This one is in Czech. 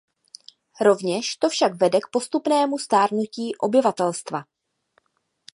Rovněž to však vede k postupnému stárnutí obyvatelstva.